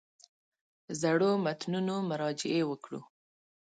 زړو متنونو مراجعې وکړو.